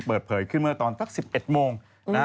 เปิดเผยขึ้นเมื่อตอนสัก๑๑โมงนะฮะ